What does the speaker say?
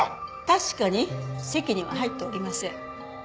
確かに籍には入っておりません。